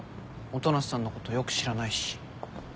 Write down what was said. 音無さんのことよく知らないし。